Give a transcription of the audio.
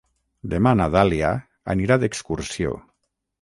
Demà na Dàlia anirà d'excursió.